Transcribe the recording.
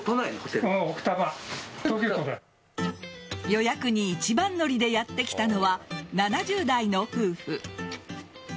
予約に一番乗りでやってきたのは７０代の夫婦。